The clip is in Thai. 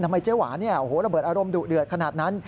ทำไมเจ๊หวานระเบิดอารมณ์ดูดเอืดขนาดนั้น